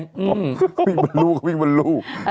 วิ่งบนลูกวิ่งบนลูก